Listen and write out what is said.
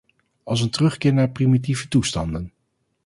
Als een terugkeer naar primitieve toestanden.